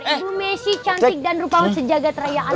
ibu messi cantik dan rupanya sejagat raya alam